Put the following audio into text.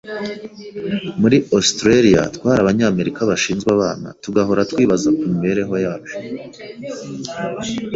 Muri Australia twari Abanyamerika bashinzwe abana, tugahora twibaza ku mibereho yacu.